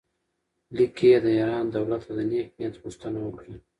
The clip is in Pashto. لیک کې یې د ایران دولت ته د نېک نیت غوښتنه وکړه.